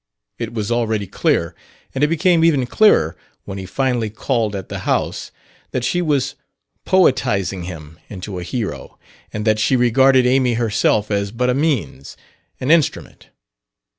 It was already clear and it became even clearer when he finally called at the house that she was poetizing him into a hero, and that she regarded Amy herself as but a means, an instrument.